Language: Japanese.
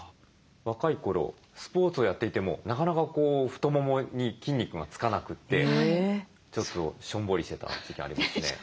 若い頃スポーツをやっていてもなかなか太ももに筋肉が付かなくてちょっとしょんぼりしてた時期ありますね。